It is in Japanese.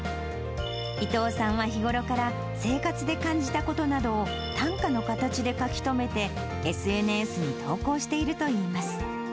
伊藤さんは日頃から生活で感じたことなどを短歌の形で書き留めて、ＳＮＳに投稿しているといいます。